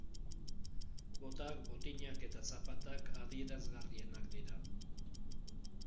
Botak, botinak eta zapatak adierazgarrienak dira.